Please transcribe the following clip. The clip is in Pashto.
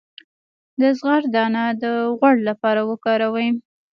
د زغر دانه د غوړ لپاره وکاروئ